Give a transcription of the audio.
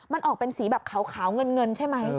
มันออกเป็นสีแบบขาวเงินใช่ไหม